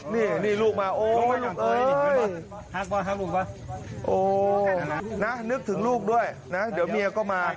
นี่นี่ลูกมาโอ้ยลูกเอ้ยนึกถึงลูกด้วยนะเดี๋ยวเมียก็มา